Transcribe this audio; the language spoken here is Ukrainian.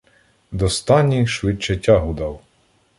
До стані швидче тягу дав.